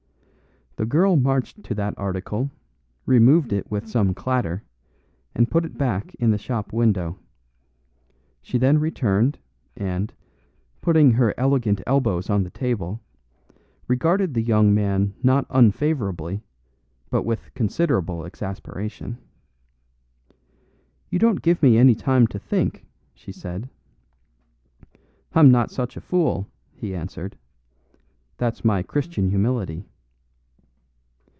The girl marched to that article, removed it with some clatter, and put it back in the shop window; she then returned, and, putting her elegant elbows on the table, regarded the young man not unfavourably but with considerable exasperation. "You don't give me any time to think," she said. "I'm not such a fool," he answered; "that's my Christian humility."